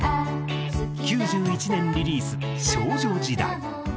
９１年リリース『少女時代』。